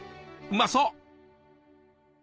うまそう！